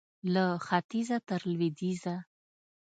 له ختیځه تر لوېدیځه